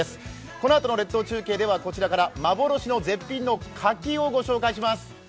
このあとの列島中継はこちらから幻の絶品の柿をお届けします。